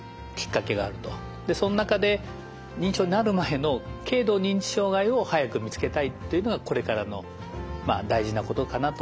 その中で認知症になる前の軽度認知障害を早く見つけたいというのがこれからの大事なことかなと思っています。